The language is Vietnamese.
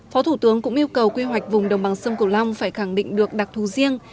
phó thủ tướng cũng yêu cầu quy hoạch vùng đồng bằng sông cửu long phải khẳng định được đặc thù riêng